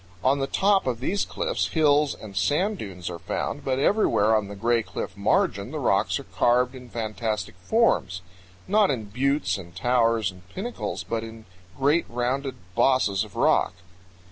On the top of these cliffs hills and sand dunes are found, but everywhere on the Gray Cliff margin the rocks are carved in fantastic forms; not in buttes and towers and pinnacles, but in great rounded bosses of rock.